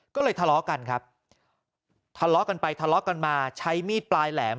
ก็เลยทะเลาะกันครับทะเลาะกันไปทะเลาะกันมาใช้มีดปลายแหลม